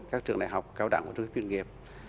các trường đại học cao đẳng của trung học chuyên nghiệp